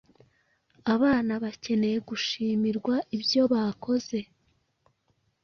Abana bakeneye gushimirwa ibyo bakoze,